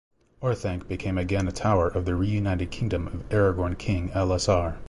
Orthanc became again a tower of the Reunited Kingdom of Aragorn King Elessar.